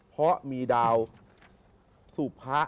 เพราะมีดาวสุพะ